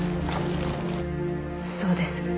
そうです。